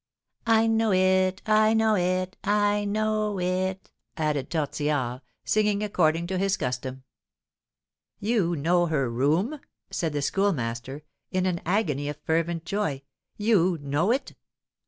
I know it I know it I know it," added Tortillard, singing according to his custom. "You know her room?" said the Schoolmaster, in an agony of fervent joy; "you know it?"